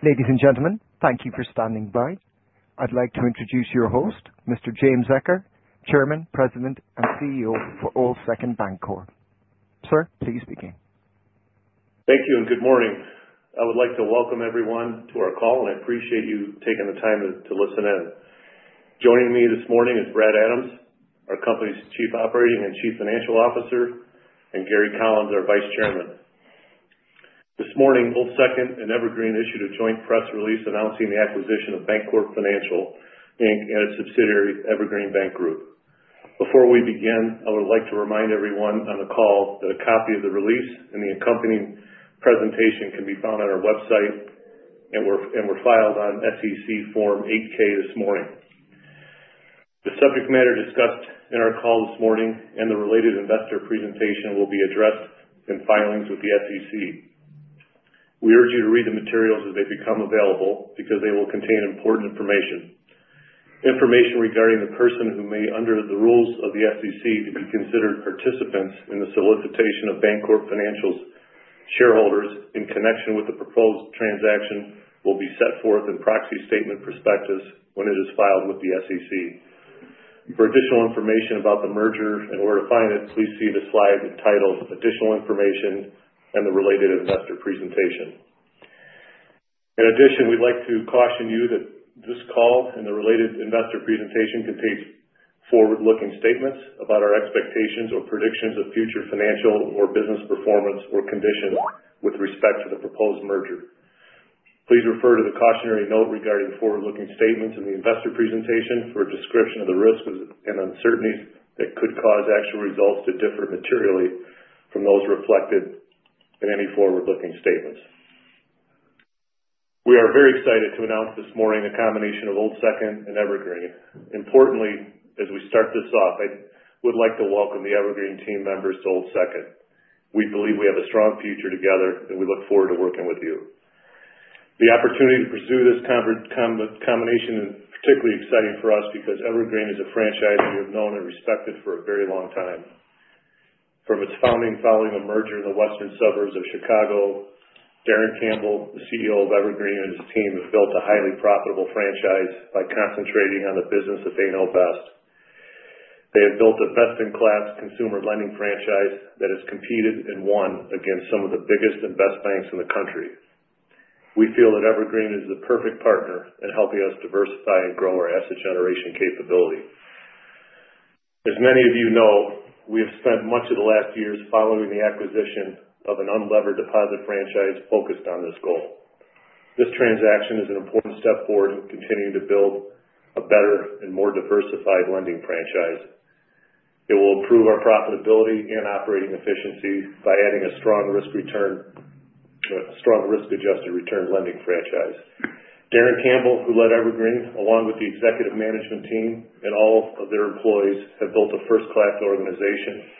Ladies and gentlemen, thank you for standing by. I'd like to introduce your host, Mr. James Eccher, Chairman, President, and CEO for Old Second Bancorp. Sir, please begin. Thank you and good morning. I would like to welcome everyone to our call, and I appreciate you taking the time to listen in. Joining me this morning is Brad Adams, our company's Chief Operating Officer and Chief Financial Officer, and Gary Collins, our Vice Chairman. This morning, Old Second and Evergreen issued a joint press release announcing the acquisition of Bancorp Financial and its subsidiaries, Evergreen Bank Group. Before we begin, I would like to remind everyone on the call that a copy of the release and the accompanying presentation can be found on our website and were filed on SEC Form 8-K this morning. The subject matter discussed in our call this morning and the related investor presentation will be addressed in filings with the SEC. We urge you to read the materials as they become available because they will contain important information. Information regarding the person who may, under the rules of the SEC, be considered participants in the solicitation of Bancorp Financial's shareholders in connection with the proposed transaction will be set forth in proxy statement prospectus when it is filed with the SEC. For additional information about the merger and where to find it, please see the slide entitled "Additional Information" and the related investor presentation. In addition, we'd like to caution you that this call and the related investor presentation contain forward-looking statements about our expectations or predictions of future financial or business performance or condition with respect to the proposed merger. Please refer to the cautionary note regarding forward-looking statements in the investor presentation for a description of the risks and uncertainties that could cause actual results to differ materially from those reflected in any forward-looking statements. We are very excited to announce this morning a combination of Old Second and Evergreen. Importantly, as we start this off, I would like to welcome the Evergreen team members to Old Second. We believe we have a strong future together, and we look forward to working with you. The opportunity to pursue this combination is particularly exciting for us because Evergreen is a franchise we have known and respected for a very long time. From its founding following a merger in the western suburbs of Chicago, Darren Campbell, the CEO of Evergreen and his team, has built a highly profitable franchise by concentrating on the business that they know best. They have built the best-in-class consumer lending franchise that has competed and won against some of the biggest and best banks in the country. We feel that Evergreen is the perfect partner in helping us diversify and grow our asset generation capability. As many of you know, we have spent much of the last years following the acquisition of an unlevered deposit franchise focused on this goal. This transaction is an important step forward in continuing to build a better and more diversified lending franchise. It will improve our profitability and operating efficiency by adding a strong risk-adjusted return lending franchise. Darren Campbell, who led Evergreen, along with the executive management team and all of their employees, have built a first-class organization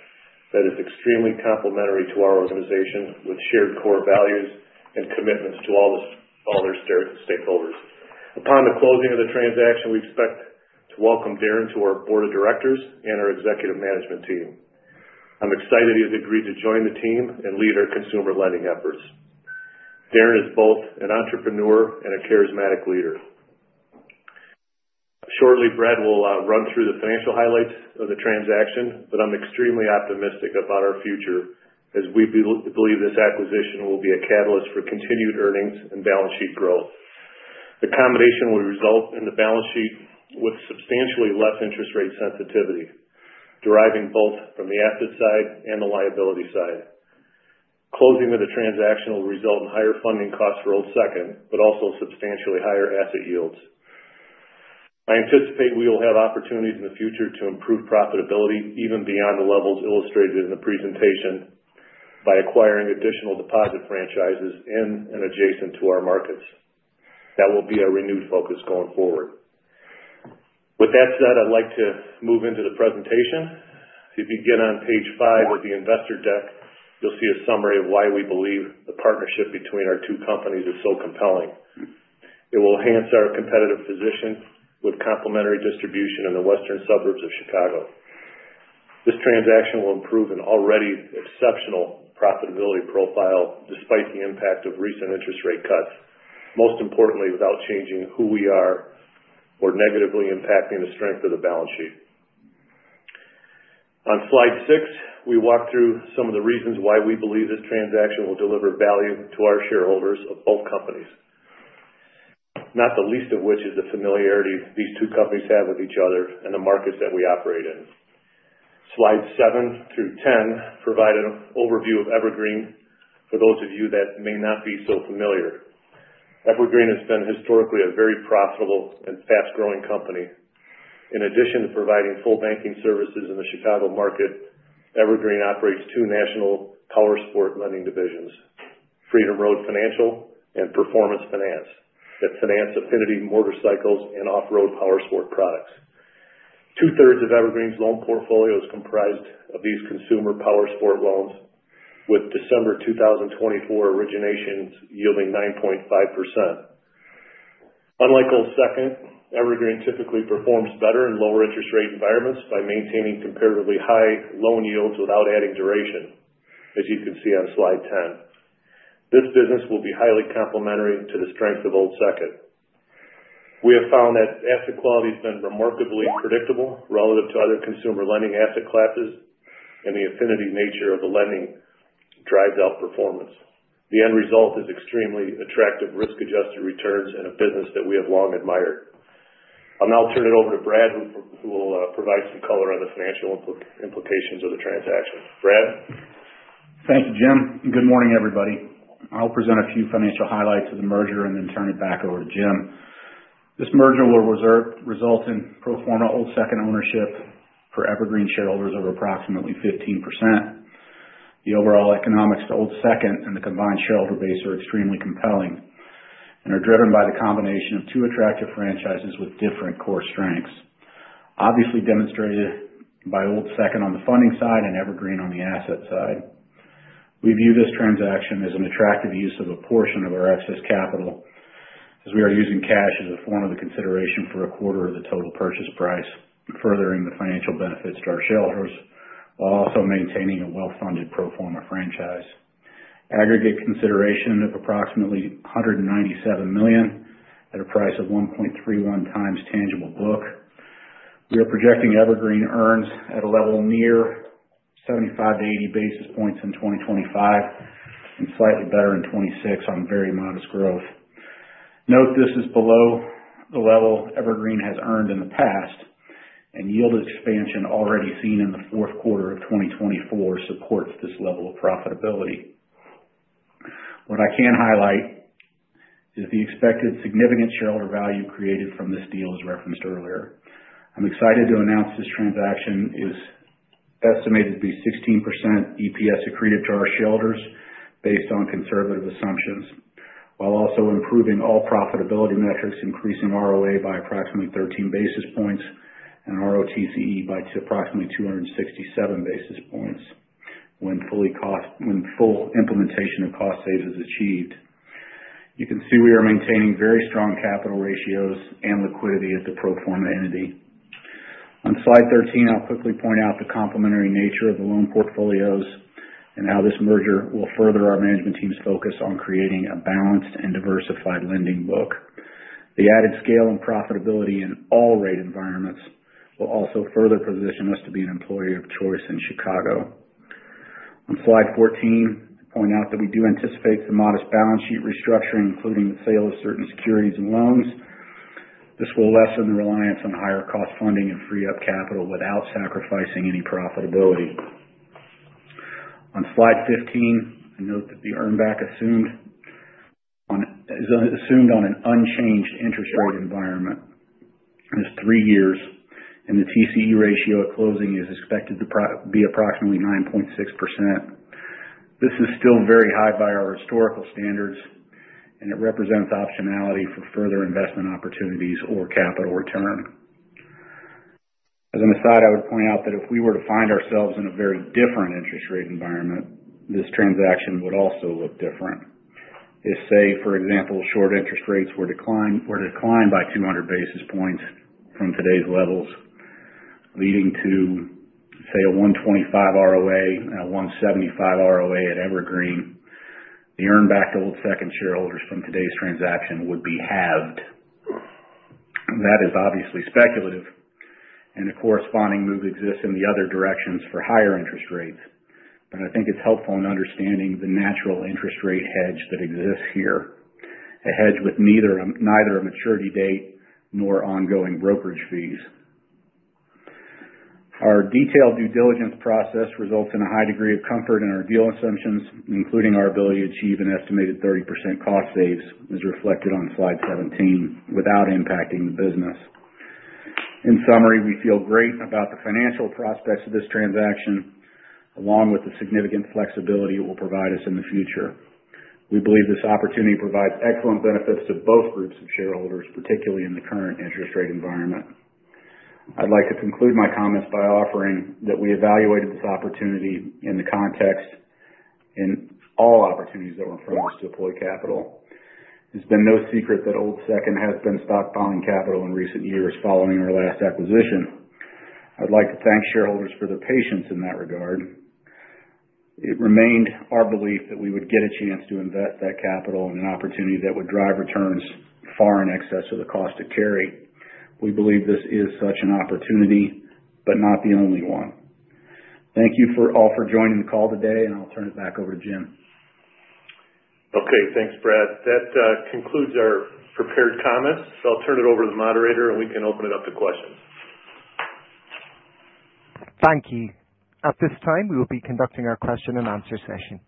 that is extremely complementary to our organization with shared core values and commitments to all their stakeholders. Upon the closing of the transaction, we expect to welcome Darren to our Board of Directors and our executive management team. I'm excited he has agreed to join the team and lead our consumer lending efforts. Darren is both an entrepreneur and a charismatic leader. Shortly, Brad will run through the financial highlights of the transaction, but I'm extremely optimistic about our future as we believe this acquisition will be a catalyst for continued earnings and balance sheet growth. The combination will result in the balance sheet with substantially less interest rate sensitivity, deriving both from the asset side and the liability side. Closing of the transaction will result in higher funding costs for Old Second, but also substantially higher asset yields. I anticipate we will have opportunities in the future to improve profitability even beyond the levels illustrated in the presentation by acquiring additional deposit franchises in and adjacent to our markets. That will be our renewed focus going forward. With that said, I'd like to move into the presentation. If you begin on page five of the investor deck, you'll see a summary of why we believe the partnership between our two companies is so compelling. It will enhance our competitive position with complementary distribution in the western suburbs of Chicago. This transaction will improve an already exceptional profitability profile despite the impact of recent interest rate cuts, most importantly without changing who we are or negatively impacting the strength of the balance sheet. On slide six, we walk through some of the reasons why we believe this transaction will deliver value to our shareholders of both companies, not the least of which is the familiarity these two companies have with each other and the markets that we operate in. Slides seven through 10 provide an overview of Evergreen for those of you that may not be so familiar. Evergreen has been historically a very profitable and fast-growing company. In addition to providing full banking services in the Chicago market, Evergreen operates two national powersport lending divisions, FreedomRoad Financial and Performance Finance, that finance affinity motorcycles and off-road powersport products. Two-thirds of Evergreen's loan portfolio is comprised of these consumer powersport loans, with December 2024 originations yielding 9.5%. Unlike Old Second, Evergreen typically performs better in lower interest rate environments by maintaining comparatively high loan yields without adding duration, as you can see on slide 10. This business will be highly complementary to the strength of Old Second. We have found that asset quality has been remarkably predictable relative to other consumer lending asset classes, and the affinity nature of the lending drives out performance. The end result is extremely attractive risk-adjusted returns in a business that we have long admired. I'll now turn it over to Brad, who will provide some color on the financial implications of the transaction. Brad? Thanks, Jim. Good morning, everybody. I'll present a few financial highlights of the merger and then turn it back over to Jim. This merger will result in pro forma Old Second ownership for Evergreen shareholders of approximately 15%. The overall economics for Old Second and the combined shareholder base are extremely compelling and are driven by the combination of two attractive franchises with different core strengths, obviously demonstrated by Old Second on the funding side and Evergreen on the asset side. We view this transaction as an attractive use of a portion of our excess capital as we are using cash as a form of the consideration for a quarter of the total purchase price, furthering the financial benefits to our shareholders while also maintaining a well-funded pro forma franchise. Aggregate consideration of approximately $197 million at a price of 1.31x tangible book. We are projecting Evergreen earns at a level near 75 basis points-80 basis points in 2025 and slightly better in 2026 on very modest growth. Note this is below the level Evergreen has earned in the past, and yield expansion already seen in the fourth quarter of 2024 supports this level of profitability. What I can highlight is the expected significant shareholder value created from this deal as referenced earlier. I'm excited to announce this transaction is estimated to be 16% EPS accretive to our shareholders based on conservative assumptions, while also improving all profitability metrics, increasing ROA by approximately 13 basis points and ROTCE by approximately 267 basis points when full implementation of cost savings is achieved. You can see we are maintaining very strong capital ratios and liquidity as the pro forma entity. On slide 13, I'll quickly point out the complementary nature of the loan portfolios and how this merger will further our management team's focus on creating a balanced and diversified lending book. The added scale and profitability in all rate environments will also further position us to be an employer of choice in Chicago. On slide 14, I point out that we do anticipate some modest balance sheet restructuring, including the sale of certain securities and loans. This will lessen the reliance on higher cost funding and free up capital without sacrificing any profitability. On slide 15, I note that the earnback assumed on an unchanged interest rate environment is three years, and the TCE ratio at closing is expected to be approximately 9.6%. This is still very high by our historical standards, and it represents optionality for further investment opportunities or capital return. As an aside, I would point out that if we were to find ourselves in a very different interest rate environment, this transaction would also look different. If, say, for example, short interest rates were declined by 200 basis points from today's levels, leading to, say, a 1.25 ROA and a 1.75 ROA at Evergreen, the earnback to Old Second shareholders from today's transaction would be halved. That is obviously speculative, and the corresponding move exists in the other directions for higher interest rates. But I think it's helpful in understanding the natural interest rate hedge that exists here, a hedge with neither a maturity date nor ongoing brokerage fees. Our detailed due diligence process results in a high degree of comfort in our deal assumptions, including our ability to achieve an estimated 30% cost savings as reflected on slide 17, without impacting the business. In summary, we feel great about the financial prospects of this transaction, along with the significant flexibility it will provide us in the future. We believe this opportunity provides excellent benefits to both groups of shareholders, particularly in the current interest rate environment. I'd like to conclude my comments by offering that we evaluated this opportunity in the context and all opportunities that were in front of us to deploy capital. It's been no secret that Old Second has been stockpiling capital in recent years following our last acquisition. I'd like to thank shareholders for their patience in that regard. It remained our belief that we would get a chance to invest that capital in an opportunity that would drive returns far in excess of the cost to carry. We believe this is such an opportunity, but not the only one. Thank you all for joining the call today, and I'll turn it back over to Jim. Okay, thanks, Brad. That concludes our prepared comments. I'll turn it over to the moderator, and we can open it up to questions. Thank you. At this time, we will be conducting our question-and-answer session.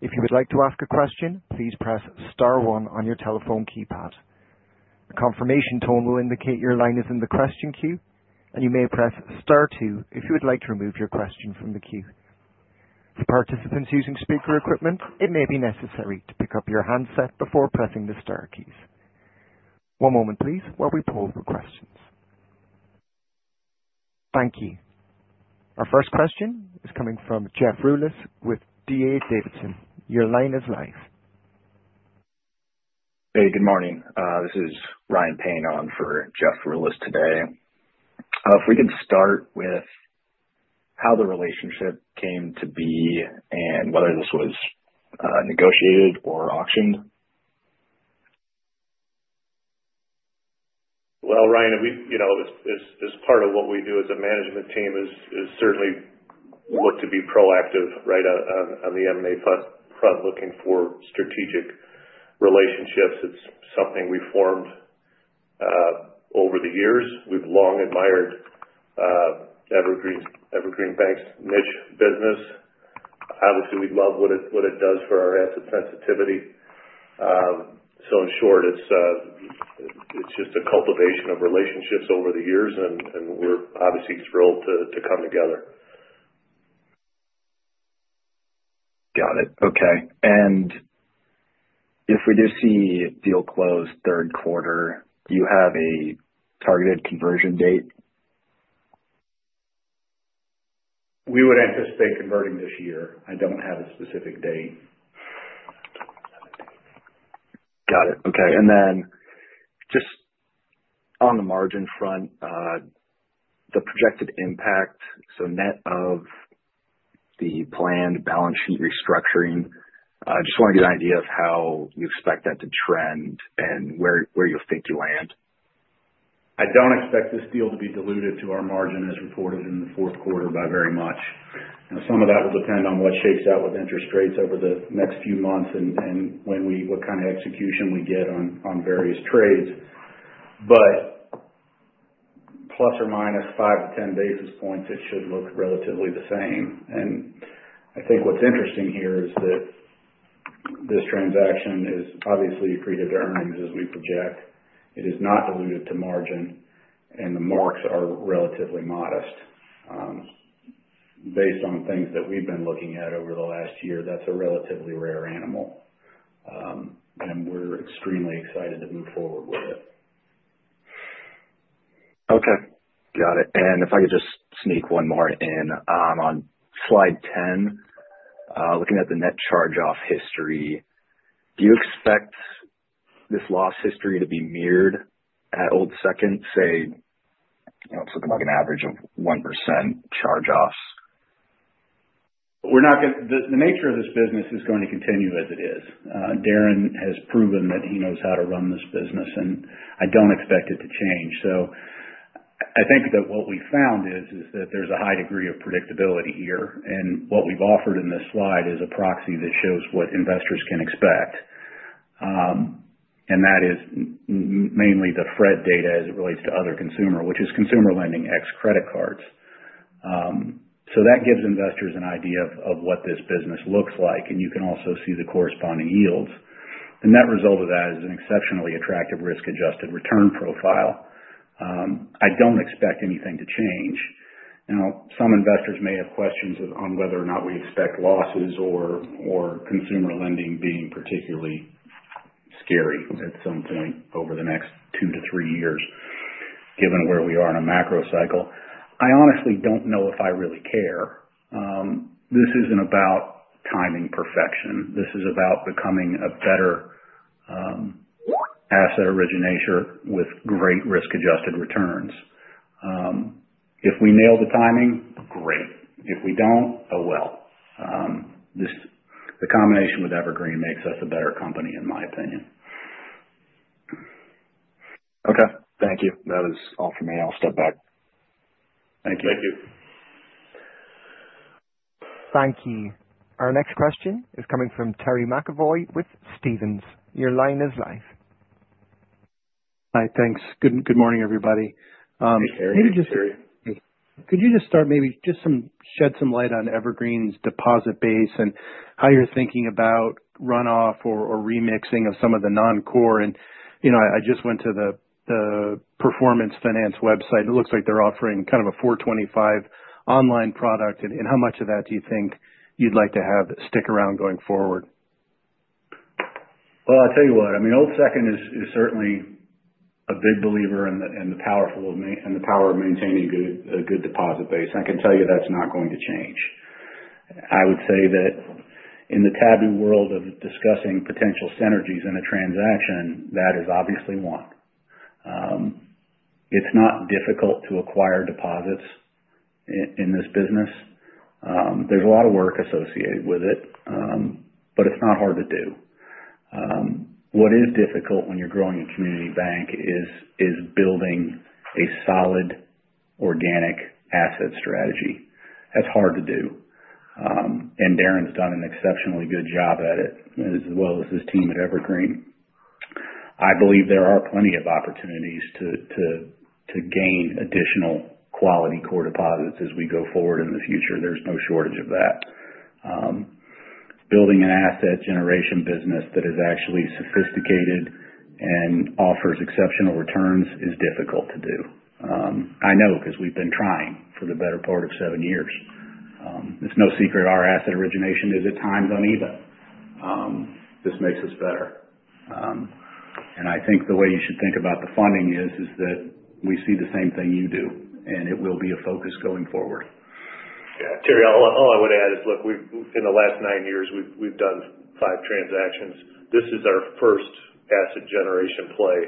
If you would like to ask a question, please press star one on your telephone keypad. The confirmation tone will indicate your line is in the question queue, and you may press star two if you would like to remove your question from the queue. For participants using speaker equipment, it may be necessary to pick up your handset before pressing the star keys. One moment, please, while we pull the questions. Thank you. Our first question is coming from Jeff Rulis with D.A. Davidson. Your line is live. Hey, good morning. This is Ryan Payne on for Jeff Rulis today. If we could start with how the relationship came to be and whether this was negotiated or auctioned. Well, Ryan, you know as part of what we do as a management team, is certainly work to be proactive, right, on the M&A front, looking for strategic relationships. It's something we formed over the years. We've long admired Evergreen Bank's niche business. Obviously, we love what it does for our asset sensitivity. So in short, it's just a cultivation of relationships over the years, and we're obviously thrilled to come together. Got it. Okay. And if we do see deal close third quarter, do you have a targeted conversion date? We would anticipate converting this year. I don't have a specific date. Got it. Okay. And then just on the margin front, the projected impact, so net of the planned balance sheet restructuring, I just want to get an idea of how you expect that to trend and where you think you land? I don't expect this deal to be diluted to our margin as reported in the fourth quarter by very much. And some of that will depend on what shakes out with interest rates over the next few months and what kind of execution we get on various trades. But plus or minus 5 basis points-10 basis points, it should look relatively the same. And I think what's interesting here is that this transaction is obviously accretive to earnings as we project. It is not diluted to margin, and the marks are relatively modest. Based on things that we've been looking at over the last year, that's a relatively rare animal, and we're extremely excited to move forward with it. Okay. Got it. And if I could just sneak one more in, on slide 10, looking at the net charge-off history, do you expect this loss history to be mirrored at Old Second, say, it's looking like an average of 1% charge-offs? The nature of this business is going to continue as it is. Darren has proven that he knows how to run this business, and I don't expect it to change, so I think that what we found is that there's a high degree of predictability here, and what we've offered in this slide is a proxy that shows what investors can expect, and that is mainly the FRED data as it relates to other consumer, which is consumer lending ex credit cards, so that gives investors an idea of what this business looks like, and you can also see the corresponding yields. The net result of that is an exceptionally attractive risk-adjusted return profile. I don't expect anything to change. And some investors may have questions on whether or not we expect losses or consumer lending being particularly scary at some point over the next two to three years, given where we are in a macro cycle. I honestly don't know if I really care. This isn't about timing perfection. This is about becoming a better asset originator with great risk-adjusted returns. If we nail the timing, great. If we don't, oh well. The combination with Evergreen makes us a better company, in my opinion. Okay. Thank you. That is all for me. I'll step back. Thank you. Thank you. Thank you. Our next question is coming from Terry McEvoy with Stephens. Your line is live. Hi, thanks. Good morning, everybody. Hey, Terry. Could you just start maybe just shed some light on Evergreen's deposit base and how you're thinking about runoff or remixing of some of the non-core? And I just went to the Performance Finance website, and it looks like they're offering kind of a 4.25 online product. And how much of that do you think you'd like to have stick around going forward? Well, I'll tell you what. I mean, Old Second is certainly a big believer in the power of maintaining a good deposit base. I can tell you that's not going to change. I would say that in the taboo world of discussing potential synergies in a transaction, that is obviously one. It's not difficult to acquire deposits in this business. There's a lot of work associated with it, but it's not hard to do. What is difficult when you're growing a community bank is building a solid, organic asset strategy. That's hard to do. And Darren's done an exceptionally good job at it, as well as his team at Evergreen. I believe there are plenty of opportunities to gain additional quality core deposits as we go forward in the future. There's no shortage of that. Building an asset generation business that is actually sophisticated and offers exceptional returns is difficult to do. I know because we've been trying for the better part of seven years. It's no secret our asset origination is at times uneven. This makes us better, and I think the way you should think about the funding is that we see the same thing you do, and it will be a focus going forward. Yeah. Terry, all I would add is, look, in the last nine years, we've done five transactions. This is our first asset generation play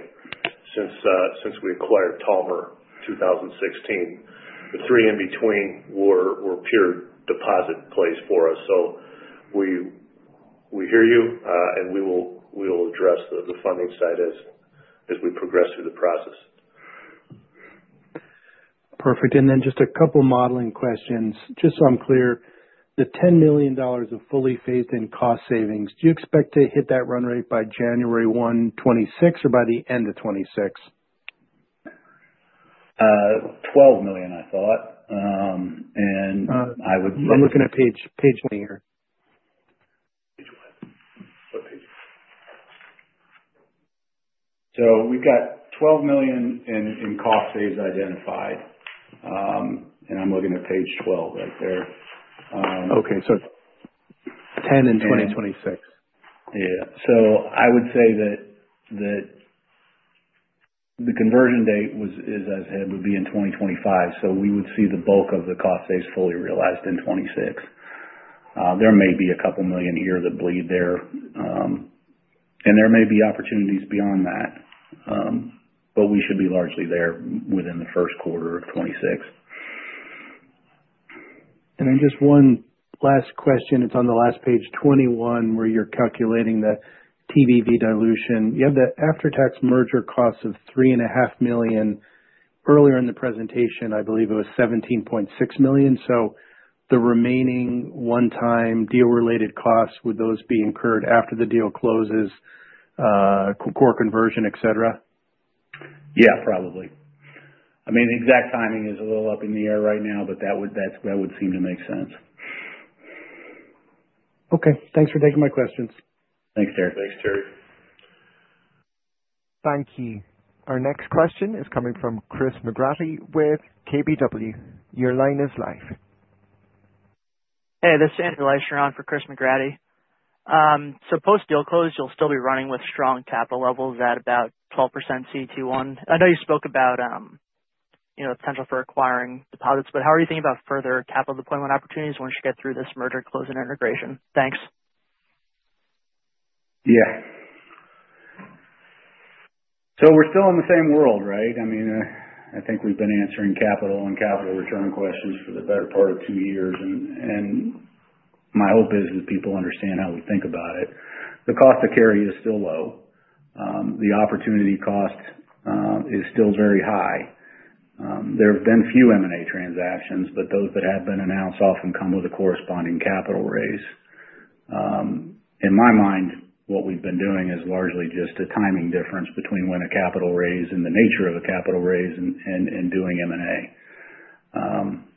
since we acquired Talmer in 2016. The three in between were pure deposit plays for us. So we hear you, and we will address the funding side as we progress through the process. Perfect. And then just a couple of modeling questions. Just so I'm clear, the $10 million of fully phased-in cost savings, do you expect to hit that run rate by January 1, 2026, or by the end of 2026? $12 million, I thought. And I would. I'm looking at page 20 here. So we've got $12 million in cost savings identified. And I'm looking at page 12 right there. Okay. So 10 in 2026. Yeah. So I would say that the conversion date is, as I said, would be in 2025. So we would see the bulk of the cost savings fully realized in 2026. There may be a couple of million here that bleed there. And there may be opportunities beyond that, but we should be largely there within the first quarter of 2026. And then just one last question. It's on the last page, 21, where you're calculating the TBV dilution. You have the after-tax merger costs of $3.5 million. Earlier in the presentation, I believe it was $17.6 million. So the remaining one-time deal-related costs, would those be incurred after the deal closes, core conversion, etc.? Yeah, probably. I mean, the exact timing is a little up in the air right now, but that would seem to make sense. Okay. Thanks for taking my questions. Thanks, Derek. Thanks, Terry. Thank you. Our next question is coming from Chris McGratty with KBW. Your line is live. Hey, this is Andrew Leischner for Chris McGratty. Suppose the deal closes, you'll still be running with strong capital levels at about 12% CET1. I know you spoke about potential for acquiring deposits, but how are you thinking about further capital deployment opportunities once you get through this merger close and integration? Thanks. Yeah. So we're still in the same world, right? I mean, I think we've been answering capital and capital return questions for the better part of two years. And my hope is that people understand how we think about it. The cost to carry is still low. The opportunity cost is still very high. There have been few M&A transactions, but those that have been announced often come with a corresponding capital raise. In my mind, what we've been doing is largely just a timing difference between when a capital raise and the nature of a capital raise and doing M&A.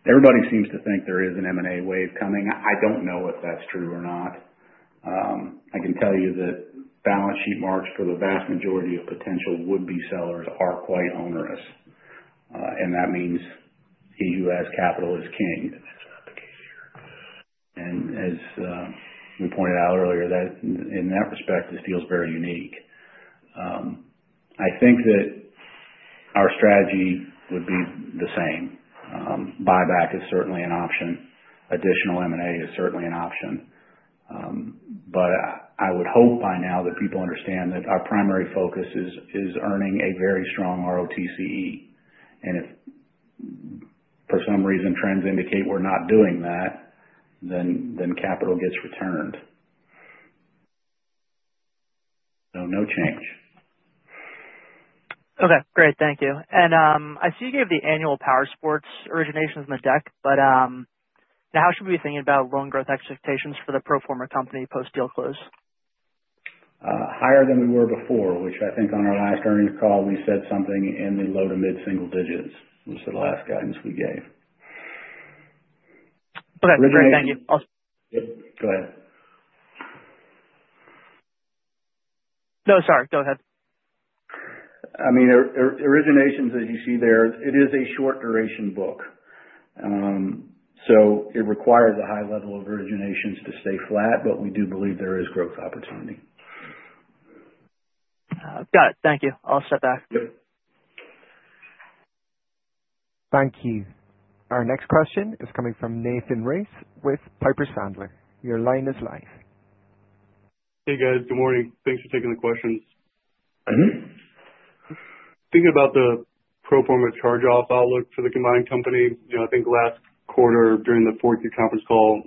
Everybody seems to think there is an M&A wave coming. I don't know if that's true or not. I can tell you that balance sheet marks for the vast majority of potential would-be sellers are quite onerous. And that means he who has capital is king. As we pointed out earlier, in that respect, this feels very unique. I think that our strategy would be the same. Buyback is certainly an option. Additional M&A is certainly an option. I would hope by now that people understand that our primary focus is earning a very strong ROTCE. If for some reason trends indicate we're not doing that, then capital gets returned. No change. Okay. Great. Thank you, and I see you gave the annual powersports originations in the deck, but now how should we be thinking about loan growth expectations for the pro forma company post-deal close? Higher than we were before, which I think on our last earnings call, we said something in the low to mid-single digits was the last guidance we gave. Okay. Great. Thank you. Go ahead. No, sorry. Go ahead. I mean, originations, as you see there, it is a short duration book. So it requires a high level of originations to stay flat, but we do believe there is growth opportunity. Got it. Thank you. I'll step back. Thank you. Our next question is coming from Nathan Race with Piper Sandler. Your line is live. Hey, guys. Good morning. Thanks for taking the questions. Thinking about the pro forma charge-off outlook for the combined company, I think last quarter during the fourth quarter conference call,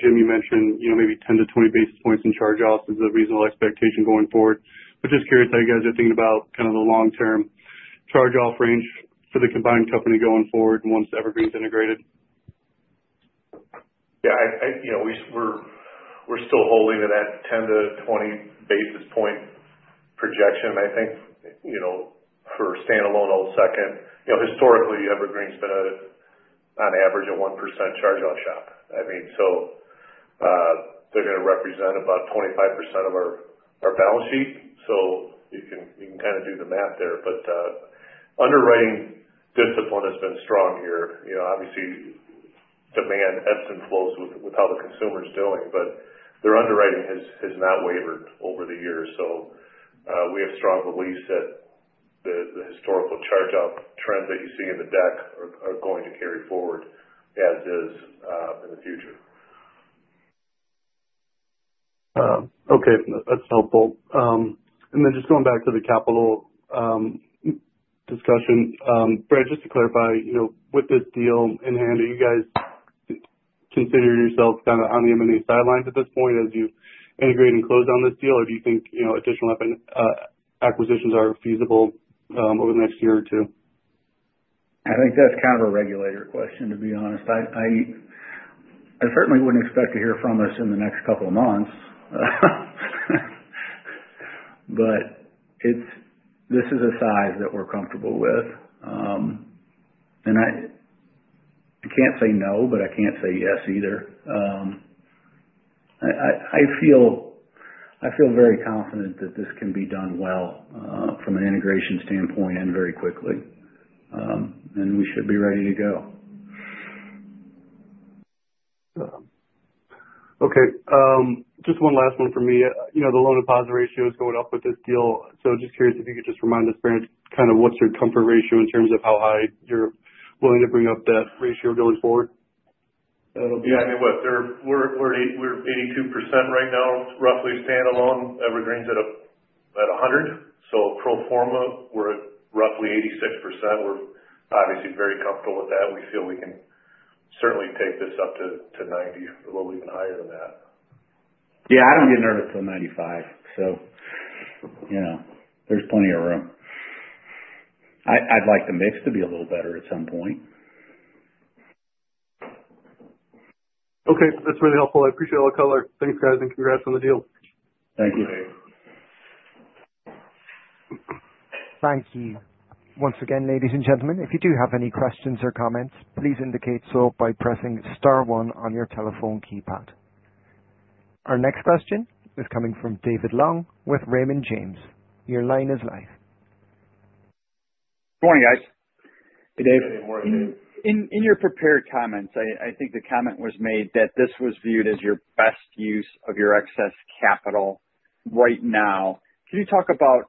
Jimmy mentioned maybe 10 basis points-20 basis points in charge-off is a reasonable expectation going forward. But just curious how you guys are thinking about kind of the long-term charge-off range for the combined company going forward once Evergreen's integrated. Yeah. We're still holding to that 10 basis points-20 basis point projection, I think, for standalone Old Second. Historically, Evergreen's been on average a 1% charge-off shop. I mean, so they're going to represent about 25% of our balance sheet. So you can kind of do the math there. But underwriting discipline has been strong here. Obviously, demand ebbs and flows with how the consumer's doing, but their underwriting has not wavered over the years. So we have strong beliefs that the historical charge-off trends that you see in the deck are going to carry forward as is in the future. Okay. That's helpful. And then just going back to the capital discussion, Brad, just to clarify, with this deal in hand, are you guys considering yourselves kind of on the M&A sidelines at this point as you integrate and close on this deal, or do you think additional acquisitions are feasible over the next year or two? I think that's kind of a regulatory question, to be honest. I certainly wouldn't expect to hear from us in the next couple of months. But this is a size that we're comfortable with. And I can't say no, but I can't say yes either. I feel very confident that this can be done well from an integration standpoint and very quickly. And we should be ready to go. Okay. Just one last one for me. The loan deposit ratio is going up with this deal. So just curious if you could just remind us, Brad, kind of what's your comfort ratio in terms of how high you're willing to bring up that ratio going forward? Yeah. I mean, we're at 82% right now, roughly standalone. Evergreen's at about 100%. So pro forma, we're at roughly 86%. We're obviously very comfortable with that. We feel we can certainly take this up to 90%, a little even higher than that. Yeah. I don't get nervous till 95. So yeah, there's plenty of room. I'd like the mix to be a little better at some point. Okay. That's really helpful. I appreciate all the color. Thanks, guys. And congrats on the deal. Thank you. Thank you. Thank you. Once again, ladies and gentlemen, if you do have any questions or comments, please indicate so by pressing star one on your telephone keypad. Our next question is coming from David Long with Raymond James. Your line is live. Good morning, guys. Hey, Dave. Hey, David. Good morning. In your prepared comments, I think the comment was made that this was viewed as your best use of your excess capital right now. Can you talk about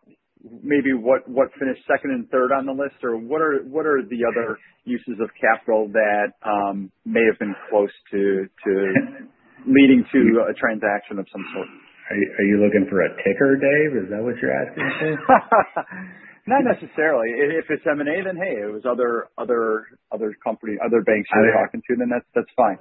maybe what finished second and third on the list, or what are the other uses of capital that may have been close to leading to a transaction of some sort? Are you looking for a ticker, Dave? Is that what you're asking me to say? Not necessarily. If it's M&A, then hey, it was other companies, other banks you're talking to, then that's fine.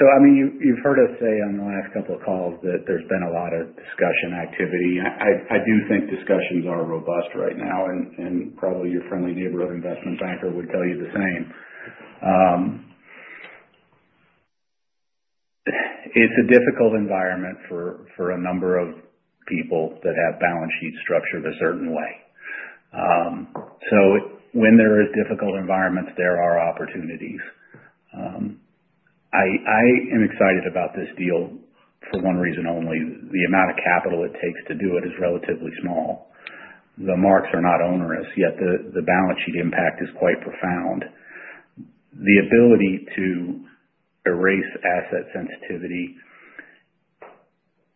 So I mean, you've heard us say on the last couple of calls that there's been a lot of discussion activity. I do think discussions are robust right now, and probably your friendly neighborhood investment banker would tell you the same. It's a difficult environment for a number of people that have balance sheet structured a certain way. So when there are difficult environments, there are opportunities. I am excited about this deal for one reason only. The amount of capital it takes to do it is relatively small. The marks are not onerous, yet the balance sheet impact is quite profound. The ability to erase asset sensitivity,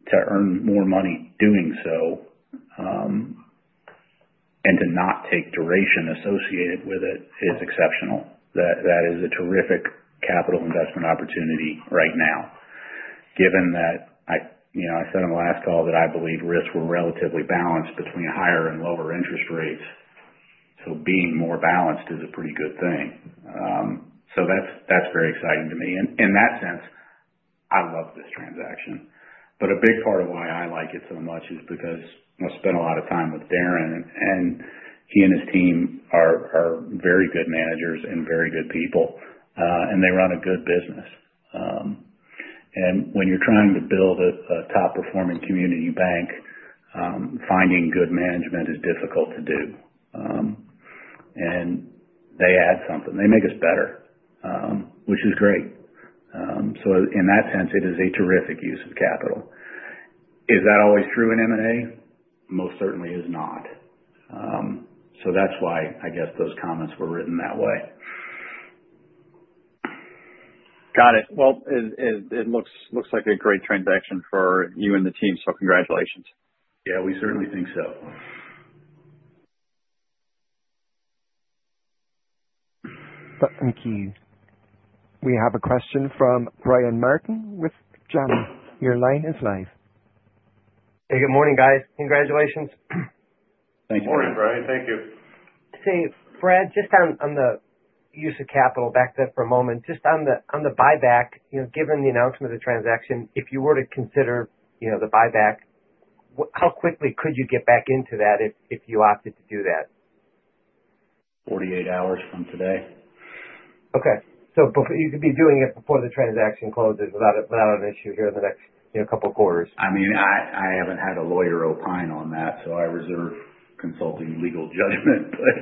to earn more money doing so, and to not take duration associated with it is exceptional. That is a terrific capital investment opportunity right now. Given that I said on the last call that I believe risks were relatively balanced between higher and lower interest rates. So being more balanced is a pretty good thing. So that's very exciting to me. In that sense, I love this transaction. But a big part of why I like it so much is because I spent a lot of time with Darren, and he and his team are very good managers and very good people. And they run a good business. And when you're trying to build a top-performing community bank, finding good management is difficult to do. And they add something. They make us better, which is great. So in that sense, it is a terrific use of capital. Is that always true in M&A? Most certainly is not. So that's why I guess those comments were written that way. Got it. Well, it looks like a great transaction for you and the team. So congratulations. Yeah, we certainly think so. Thank you. We have a question from Brian Martin with Janney. Your line is live. Hey, good morning, guys. Congratulations. Thank you. Morning, Brian. Thank you. So, Brad, just on the use of capital back there for a moment, just on the buyback, given the announcement of the transaction, if you were to consider the buyback, how quickly could you get back into that if you opted to do that? 48 hours from today. Okay. So you could be doing it before the transaction closes without an issue here in the next couple of quarters? I mean, I haven't had a lawyer opine on that, so I reserve consulting legal judgment, but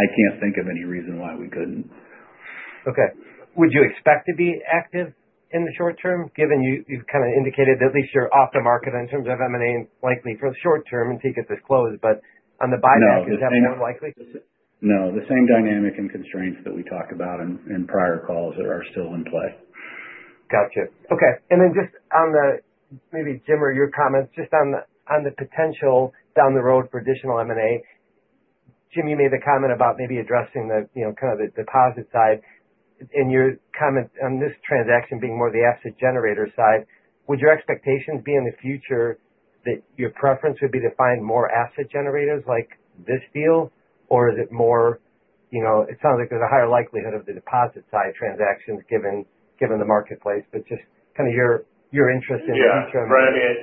I can't think of any reason why we couldn't. Okay. Would you expect to be active in the short term, given you've kind of indicated that at least you're off the market in terms of M&A likely for the short term until you get this closed, but on the buyback, is that more likely? No. The same dynamics and constraints that we talked about in prior calls that are still in place. Gotcha. Okay. And then just on the maybe, Jim, or your comments, just on the potential down the road for additional M&A, Jim, you made the comment about maybe addressing kind of the deposit side. In your comment on this transaction being more the asset generator side, would your expectations be in the future that your preference would be to find more asset generators like this deal, or is it more it sounds like there's a higher likelihood of the deposit side transactions given the marketplace, but just kind of your interest in the future? Yeah. Brad, I mean,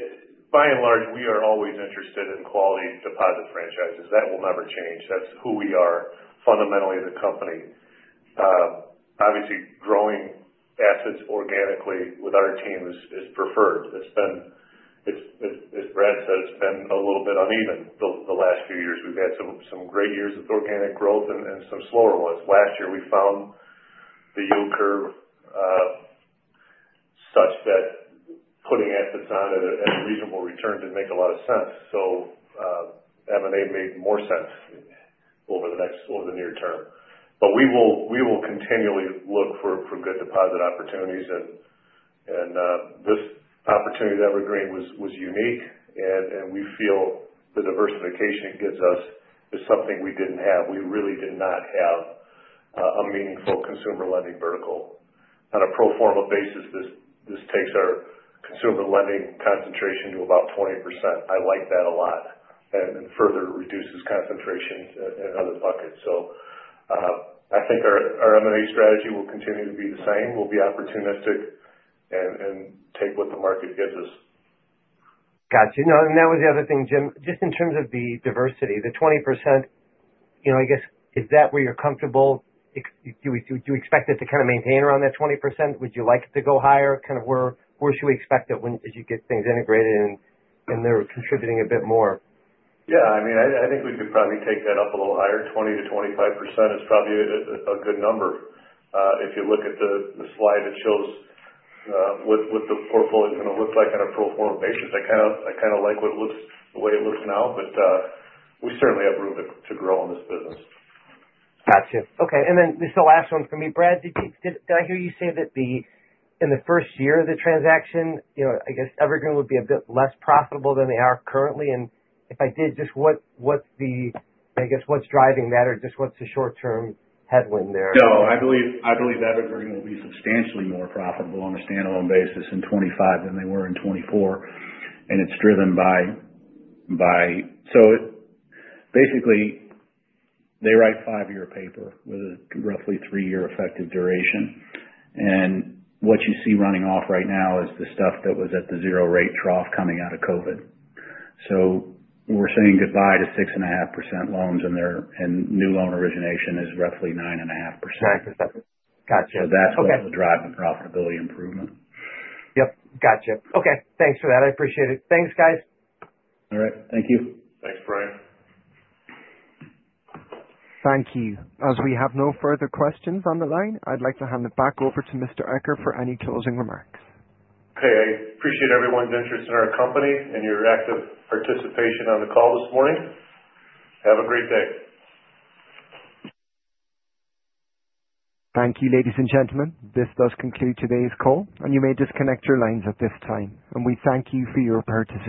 by and large, we are always interested in quality deposit franchises. That will never change. That's who we are, fundamentally the company. Obviously, growing assets organically with our team is preferred. As Brad said, it's been a little bit uneven the last few years. We've had some great years of organic growth and some slower ones. Last year, we found the yield curve such that putting assets on at a reasonable return didn't make a lot of sense, so M&A made more sense over the near term, but we will continually look for good deposit opportunities, and this opportunity that we're getting was unique, and we feel the diversification gives us something we didn't have. We really did not have a meaningful consumer lending vertical. On a pro forma basis, this takes our consumer lending concentration to about 20%. I like that a lot. And it further reduces concentration in other buckets. So I think our M&A strategy will continue to be the same. We'll be opportunistic and take what the market gives us. Gotcha. And that was the other thing, Jim, just in terms of the diversity, the 20%, I guess, is that where you're comfortable? Do you expect it to kind of maintain around that 20%? Would you like it to go higher? Kind of where should we expect it as you get things integrated and they're contributing a bit more? Yeah. I mean, I think we could probably take that up a little higher. 20%-25% is probably a good number. If you look at the slide that shows what the portfolio is going to look like on a pro forma basis, I kind of like what it looks the way it looks now, but we certainly have room to grow on this business. Gotcha. Okay. And then just the last one from me. Brad, did I hear you say that in the first year of the transaction, I guess Evergreen would be a bit less profitable than they are currently? And if I did, just what's the, I guess, what's driving that, or just what's the short-term headwind there? No. I believe Evergreen will be substantially more profitable on a standalone basis in 2025 than they were in 2024. And it's driven by so basically, they write five-year paper with a roughly three-year effective duration. And what you see running off right now is the stuff that was at the zero-rate trough coming out of COVID. So we're saying goodbye to 6.5% loans in there, and new loan origination is roughly 9.5%. 9.5%. Gotcha. Okay. So that's going to drive the profitability improvement. Yep. Gotcha. Okay. Thanks for that. I appreciate it. Thanks, guys. All right. Thank you. Thanks, Brian. Thank you. As we have no further questions on the line, I'd like to hand it back over to Mr. Eccher for any closing remarks. Hey, I appreciate everyone's interest in our company and your active participation on the call this morning. Have a great day. Thank you, ladies and gentlemen. This does conclude today's call, and you may disconnect your lines at this time, and we thank you for your participation.